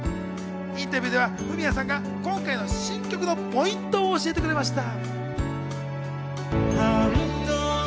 インタビューではフミヤさんが今回の新曲のポイントを教えてくれました。